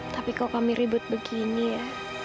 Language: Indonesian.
tapi kok kami ribut begini ya